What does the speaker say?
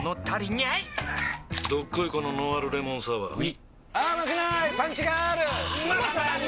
どっこいこのノンアルレモンサワーうぃまさに！